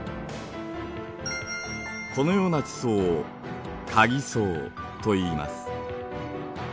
このような地層をかぎ層といいます。